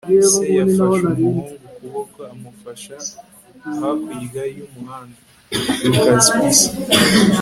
se yafashe umuhungu ukuboko amufasha hakurya y'umuhanda. (lukaszpp